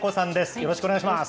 よろしくお願いします。